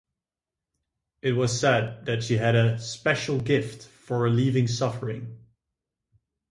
It was said that she had "a special gift for relieving suffering".